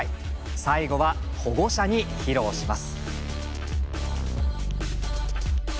最後は保護者に披露します。